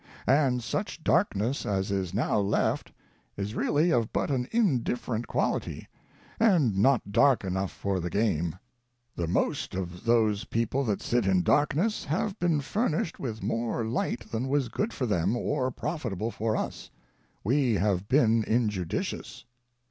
And such darkness as is now left is really of but an indifferent quality, and not dark enough for the game. The most of those People that Sit in Darkness have been furnished with more light than was good for them or profita ble for us. We have been injudicious.